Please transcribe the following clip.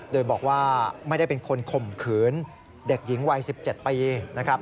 โดยบอกว่าไม่ได้เป็นคนข่มขืนเด็กหญิงวัย๑๗ปีนะครับ